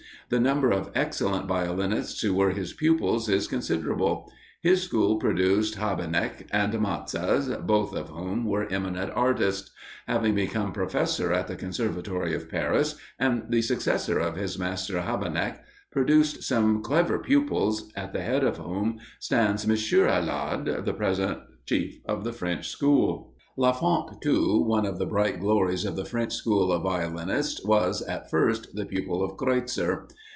The number of excellent violinists who were his pupils is considerable. His school produced Habeneck and Mazas both of whom were eminent artists. Having become professor at the Conservatory of Paris, and the successor of his master, Habeneck produced some clever pupils, at the head of whom stands M. Alard, the present chief of the French school. Lafont, too, one of the bright glories of the French school of violinists, was, at first, the pupil of Kreutzer.